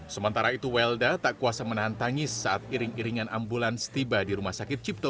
sementara itu welda tak kuasa menahan tangis saat iring iringan ambulans tiba di rumah sakit cipto